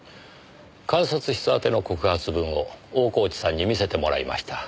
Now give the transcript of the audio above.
監察室宛ての告発文を大河内さんに見せてもらいました。